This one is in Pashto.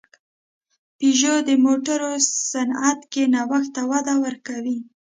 پيژو د موټرو صنعت کې نوښت ته وده ورکوي.